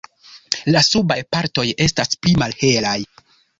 La subaj partoj estas pli malhelaj.